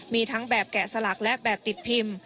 มีทั้งแบบแกะสลักและแบบติดพิมพ์